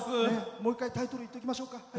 もう一度タイトル、言っておきましょうか。